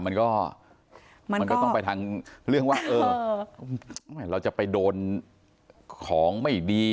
มันก็มันก็ต้องไปทางเรื่องว่าเราจะไปโดนของไม่ดี